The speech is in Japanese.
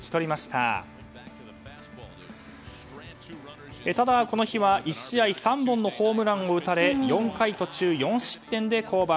ただ、この日は１試合３本のホームランを打たれ４回途中４失点で降板。